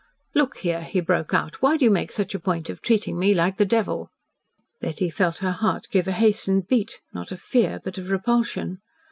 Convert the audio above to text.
"Look here!" he broke out, "why do you make such a point of treating me like the devil?" Betty felt her heart give a hastened beat, not of fear, but of repulsion.